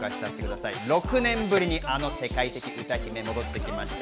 ６年ぶりにあの世界的歌姫が登ってきました。